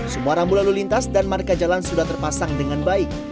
semua rambu lalu lintas dan marka jalan sudah terpasang dengan baik